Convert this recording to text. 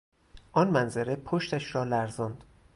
آن منظره پشتش را لرزاند.